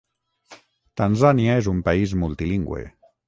Tanzània és un país multilingüe.